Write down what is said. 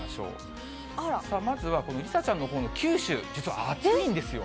さあまずは、この梨紗ちゃんのほうの九州、実は暑いんですよ。